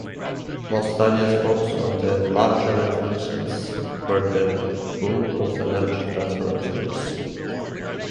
Most studies focus on the larger influences where the bulk of energy transfer occurs.